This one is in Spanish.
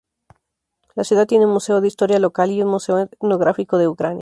La ciudad tiene un museo de historia local y un museo etnográfico de Ucrania.